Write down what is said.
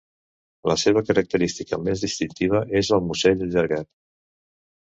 La seva característica més distintiva és el musell allargat.